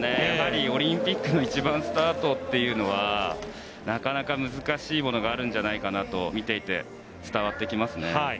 やはりオリンピックの１番スタートというのはなかなか難しいものがあるんじゃないかなと見ていて伝わってきますね。